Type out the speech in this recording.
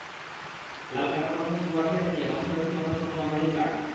লাল কাপড় বাঁধা ছোট লাঠি হাতে নিয়ে মহাসড়কে থামানো হচ্ছে পণ্যবাহী ট্রাক।